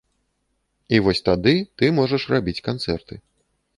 І вось тады ты можаш рабіць канцэрты.